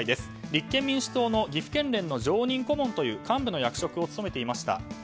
立憲民主党の岐阜県連の常務顧問という幹部の役職を務めていました。